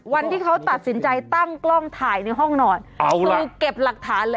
วันที่เขาตัดสินใจตั้งกล้องถ่ายในห้องนอนคือเก็บหลักฐานเลย